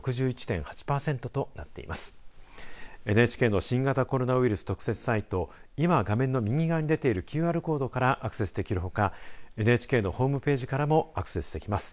ＮＨＫの新型コロナウイルス特設サイト、今、画面の右側に出ているＱＲコードからアクセスできるほかＮＨＫのホームページからもアクセスできます。